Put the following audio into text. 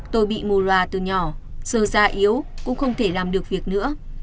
tôi bị mù loà từ nhỏ giờ già yếu cũng không thể làm được việc nữa